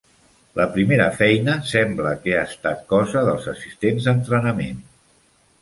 La primera feina sembla que ha estat cosa dels assistents d'entrenament.